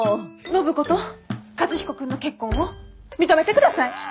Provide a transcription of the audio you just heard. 暢子と和彦君の結婚を認めてください！